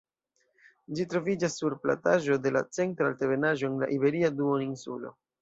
Ĝi troviĝas sur plataĵo de la Centra Altebenaĵo en la Iberia duoninsulo.